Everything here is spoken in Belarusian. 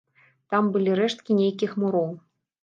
Там былі рэшткі нейкіх муроў.